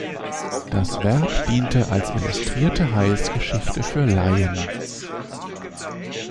Das Werk diente als illustrierte Heilsgeschichte für Laien.